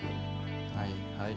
はいはい。